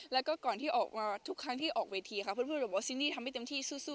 แล้วก็ก่อนที่ออกมาทุกครั้งที่ออกเวทีค่ะเพื่อนบอกว่าซินนี่ทำให้เต็มที่สู้